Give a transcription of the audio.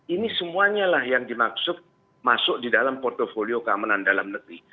ini semuanyalah yang dimaksud masuk di dalam portfolio keamanan dalam negeri